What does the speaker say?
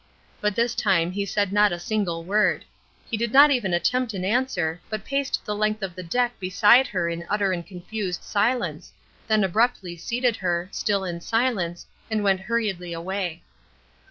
But this time he said not a single word. He did not even attempt an answer, but paced the length of the deck beside her in utter and confused silence, then abruptly seated her, still in silence, and went hurriedly away.